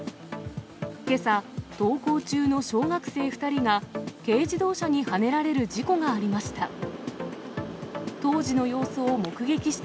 けさ、登校中の小学生２人が軽自動車にはねられる事故がありました。